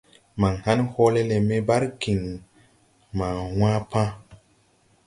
Man hãn hoole le me bargiŋ ma wan pãã.